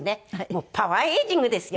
パワーエイジングですよ。